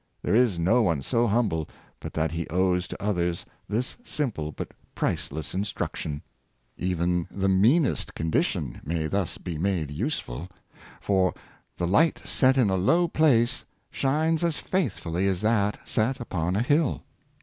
There is no one so humble, but that he owes to others this simple but priceless instruction. Even the meanest condition may thus be made useful; for the light set in a low place shines as faithfully as that set upon a hill.